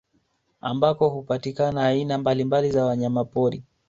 Ambako hupatikana aina mbalimbali za wanyamapori